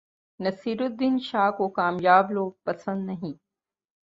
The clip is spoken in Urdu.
نصیرالدین شاہ کو کامیاب لوگ پسند نہیں